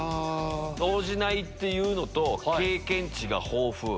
動じないっていうのと経験が豊富。